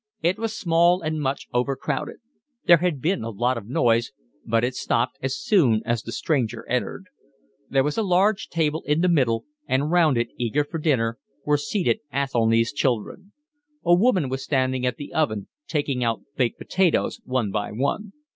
It was small and much overcrowded. There had been a lot of noise, but it stopped as soon as the stranger entered. There was a large table in the middle and round it, eager for dinner, were seated Athelny's children. A woman was standing at the oven, taking out baked potatoes one by one.